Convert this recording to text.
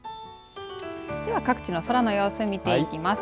では、各地の空の様子見ていきます。